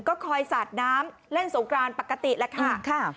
ก็คอยสาดน้ำเล่นสงกรานปกติแหละค่ะ